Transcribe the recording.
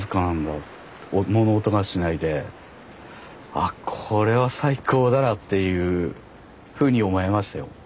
あっこれは最高だなっていうふうに思えましたよ。